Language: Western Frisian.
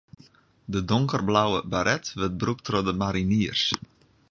De donkerblauwe baret wurdt brûkt troch de mariniers.